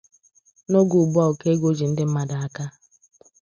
N’oge ugbua ụkọ ego ji ndị mmadụ aka